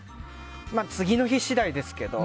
次の日次第ですけど。